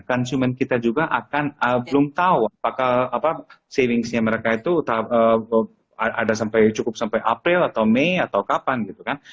consumer kita juga akan belum tahu apakah savings nya mereka itu ada sampai cukup sampai april atau may atau kapan gitu kan